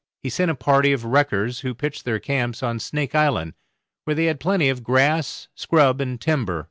He sent a party of wreckers who pitched their camps on Snake Island, where they had plenty of grass, scrub, and timber.